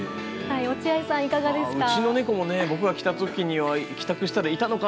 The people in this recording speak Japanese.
落合さん、いかがですか。